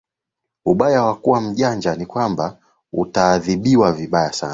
Ubaya wa kuwa mjanja ni kwamba utaadhibiwa vibaya sana.